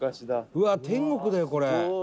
うわっ天国だよこれ。